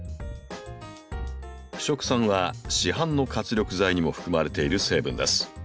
腐植酸は市販の活力剤にも含まれている成分です。